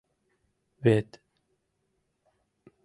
Вет...